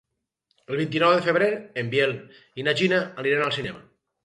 El vint-i-nou de febrer en Biel i na Gina aniran al cinema.